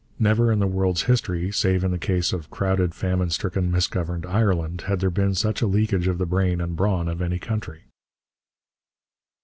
Never in the world's history, save in the case of crowded, famine stricken, misgoverned Ireland, had there been such a leakage of the brain and brawn of any country.